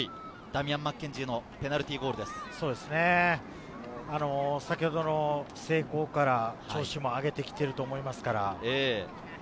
ダミアン・マッケンジ先ほどの成功から調子も上げてきていると思いますから。